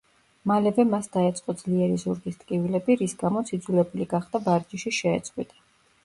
მალევე მას დაეწყო ძლიერი ზურგის ტკივილები, რის გამოც იძულებული გახდა ვარჯიში შეეწყვიტა.